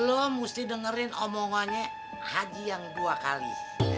lo mesti dengerin omongannya haji yang dua kali